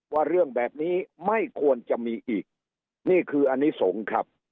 ว่าเรื่องแบบนี้ไม่ควรจะมีอีกนี่คืออนิสงฆ์ครับ